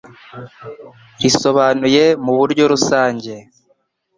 risobanuye mu buryo rusange